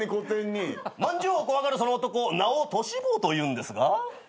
まんじゅうを怖がるその男名をトシ坊というんですが。